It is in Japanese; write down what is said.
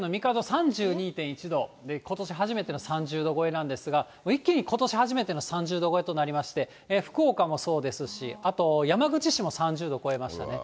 ３２．１度で、ことし初めての３０度超えなんですが、一気にことし初めての３０度超えとなりまして、福岡もそうですし、あと山口市も３０度を超えましたね。